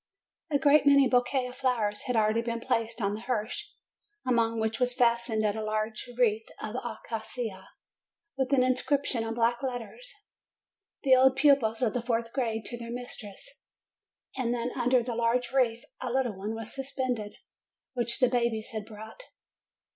A great many bouquets of flowers had already been placed on the hearse, upon which was fastened a large wreath of acacia, with an inscription in black letters: The old pupils of the fourth grade to their mistress. And under the large wreath a little one was suspended, which the babies had brought.